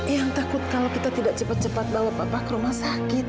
yang takut kalau kita tidak cepat cepat bawa papa ke rumah sakit